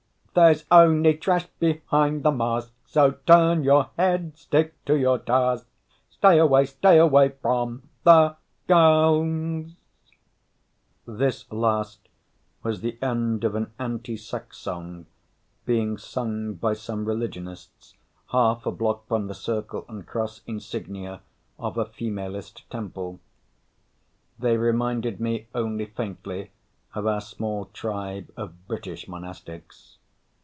"... There's only trash behind the mask, so turn your head, stick to your task: Stay away, stay away from the girls!" This last was the end of an anti sex song being sung by some religionists half a block from the circle and cross insignia of a femalist temple. They reminded me only faintly of our small tribe of British monastics.